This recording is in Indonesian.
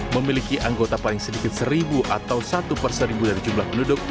memiliki anggota paling sedikit satu atau satu dari jumlah penduduk